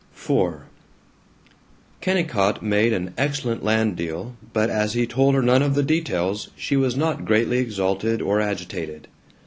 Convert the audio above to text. IV Kennicott made an excellent land deal, but as he told her none of the details, she was not greatly exalted or agitated.